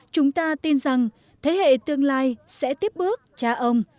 chúng ta tin rằng thế hệ tương lai sẽ tiếp bước cha ông